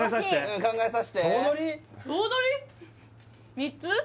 ３つ？